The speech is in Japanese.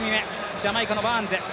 ジャマイカのバーンズ。